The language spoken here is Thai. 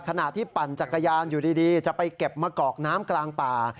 ขณะที่ปั่นจักรยานอยู่ดีจะไปเก็บมะกอกน้ำกลางป่า